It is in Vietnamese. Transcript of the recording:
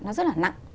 nó rất là nặng